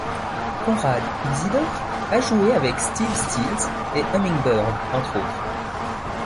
Conrad Isidore a joué avec Steve Stills et Hummingbird, entre autres.